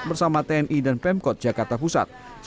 bersama tni dan pemkot jakarta pusat